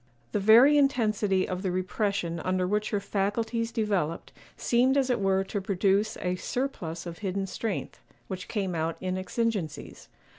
The very intensity of the repression under which her faculties developed seemed as it were to produce a surplus of hidden strength, which came out in exigencies.